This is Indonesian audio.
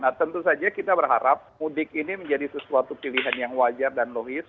nah tentu saja kita berharap mudik ini menjadi sesuatu pilihan yang wajar dan logis